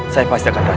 saya pasti akan datang